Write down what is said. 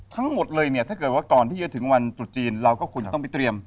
ทั้งหมดเลยเนี่ยถ้าเกิดว่าก่อนที่จะถึงวันตรุษจีนเราก็ควรจะต้องไปเตรียม